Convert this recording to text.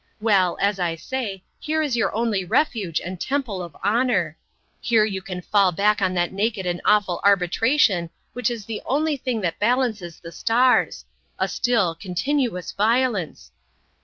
Well, as I say, here is your only refuge and temple of honour. Here you can fall back on that naked and awful arbitration which is the only thing that balances the stars a still, continuous violence.